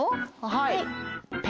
はい。